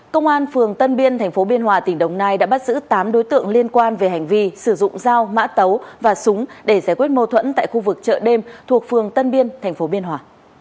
công an phường tân biên tp biên hòa tỉnh đồng nai đã bắt giữ tám đối tượng liên quan về hành vi sử dụng dao mã tấu và súng để giải quyết mâu thuẫn tại khu vực chợ đêm thuộc phường tân biên tp biên hòa